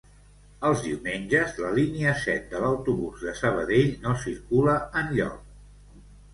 Els diumenges la línia set de l'autobús de Sabadell no circula enlloc